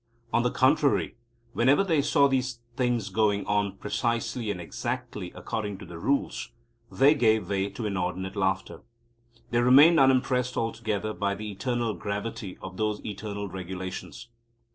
On the contrary, wherever they saw these things going on precisely and exactly according to the Rules, they gave way to inordinate laughter. They remained unimpressed altogether by the eternal gravity of those eternal regulations.